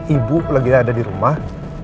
ibu lagi ada di rumah